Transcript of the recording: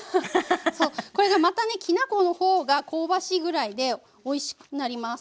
これがまたねきな粉のほうが香ばしいぐらいでおいしくなります。